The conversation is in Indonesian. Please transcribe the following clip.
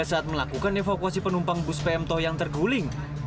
saat melakukan evakuasi penumpang bus pmt yang terguling